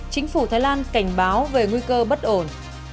chính phủ thái lan cảnh báo về nguy cơ bất ổn